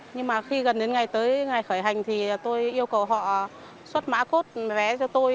nhưng mà khi gần đến ngày tới ngày khởi hành thì tôi yêu cầu họ xuất mã cốt vé cho tôi